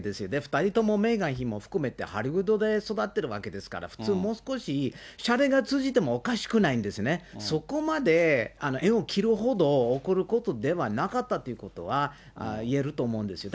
２人とも、メーガン妃も含めて、ハリウッドで育っているわけですから、普通もう少し、しゃれが通じてもおかしくないんですね、そこまで縁を切るほど怒ることではなかったということはいえると思うんですよ。